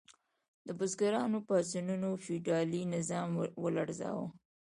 د بزګرانو پاڅونونو فیوډالي نظام ولړزاوه.